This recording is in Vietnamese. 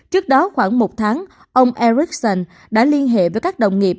trước đó khoảng một tháng ông ericsson đã liên hệ với các đồng nghiệp